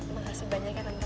makasih banyak ya teman teman